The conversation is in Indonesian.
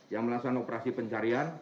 yang melakukan operasi pencarian